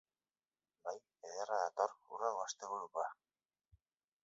Bai, ederra dator hurrengo asteburukoa!